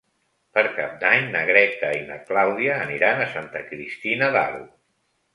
Per Cap d'Any na Greta i na Clàudia aniran a Santa Cristina d'Aro.